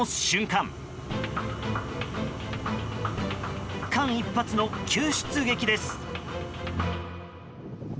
間一髪の救出劇です。